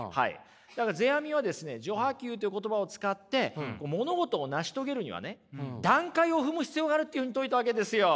だから世阿弥はですね序破急という言葉を使って物事を成し遂げるにはね段階を踏む必要があるっていうふうに説いたわけですよ。